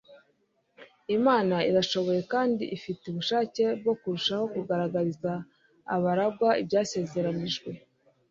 Imana irashoboye kandi ifite ubushake bwo kurushaho kugaragariza abaragwa ibyasezeranijwe